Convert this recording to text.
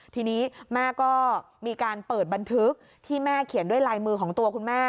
ทีนี้แม่ก็มีการเปิดบันทึกที่แม่เขียนด้วยลายมือของตัวคุณแม่